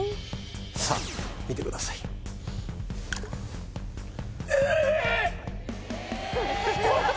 さっ見てくださいええっこ